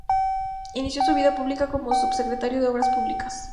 Inició su vida pública como subsecretario de obras públicas.